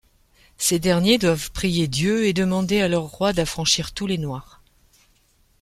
Ces derniers doivent prier Dieu et demander à leur roi d'affranchir tous les Noirs.